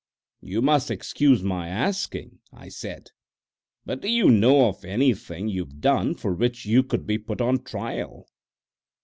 "You must excuse my asking," I said, "but do you know of anything you've done for which you could be put on trial?"